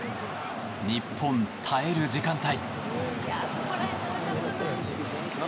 日本、耐える時間帯。